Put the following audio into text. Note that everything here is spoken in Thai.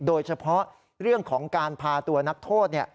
โดยเฉพาะเรื่องของการพาตัวนักโทษ